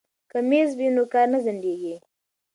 که میز وي نو کار نه ځنډیږي.